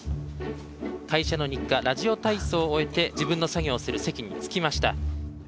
会社の日課ラジオ体操を終えて自分の作業をする席に着きました。